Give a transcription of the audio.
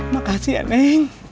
makasih ya neng